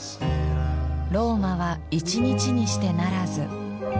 「ローマは一日にしてならず」。